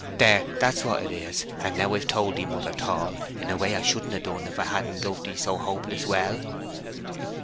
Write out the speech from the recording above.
There, that's what 'tis, and now I've told 'ee, Mother Tall, in a way I shouldn't ha' done if I hadn't loved 'ee so hopeless well."